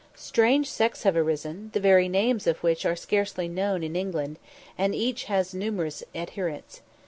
Strange sects have arisen, the very names of which are scarcely known in England, and each has numerous adherents.